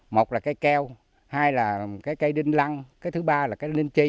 một là cây keo hai là cây đinh lăng thứ ba là cây đinh chi